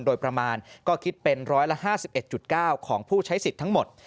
โดยประมาณก็คิดเป็น๑๕๑๙ของผู้ใช้สิทธิ์ทั้งหมด